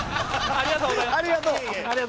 ありがとうございます。